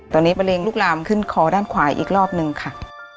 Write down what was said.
ตอนนี้มะเร็งลุกลามขึ้นคอด้านขวาอีกรอบนึงค่ะ